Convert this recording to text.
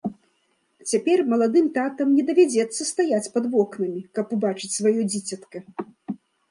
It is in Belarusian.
Цяпер маладым татам не давядзецца стаяць пад вокнамі, каб убачыць сваё дзіцятка.